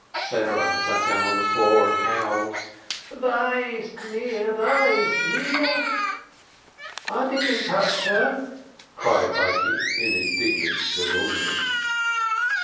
Sarah sat down on the floor and howled "Woe is me! Woe is me!" "I didden touch 'er," cried Ikey in indignant bewilderment.